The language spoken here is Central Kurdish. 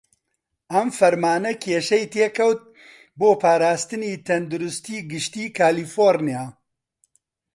ئەم فەرمانە کێشەی تێکەوت بۆ پاراستنی تەندروستی گشتی کالیفۆڕنیا.